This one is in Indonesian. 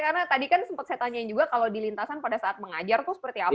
karena tadi kan sempat saya tanyain juga kalau di lintasan pada saat mengajar tuh seperti apa gitu